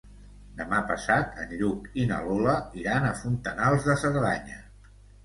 Demà passat en Lluc i na Lola iran a Fontanals de Cerdanya.